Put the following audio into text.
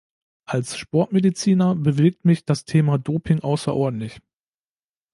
Als Sportmediziner bewegt mich das Thema Doping außerordentlich.